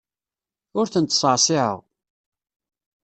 Ur ten-ttṣeɛṣiɛeɣ.